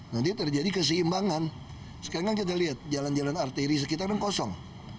nanti terjadi keseimbangan sekarang kan kita lihat jalan jalan arteri sekitar kan kosong